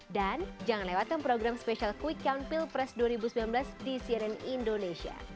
jangan lewatkan program spesial quick count pilpres dua ribu sembilan belas di cnn indonesia